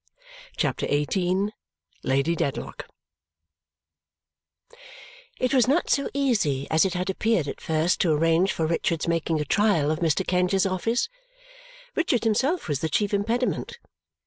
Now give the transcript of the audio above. CHAPTER XVIII Lady Dedlock It was not so easy as it had appeared at first to arrange for Richard's making a trial of Mr. Kenge's office. Richard himself was the chief impediment.